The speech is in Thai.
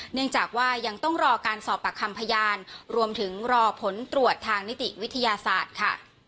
เนื่องจากว่ายังต้องรอการสอบปากคำพยานรวมถึงรอผลตรวจทางนิติวิทยาศาสตร์ค่ะ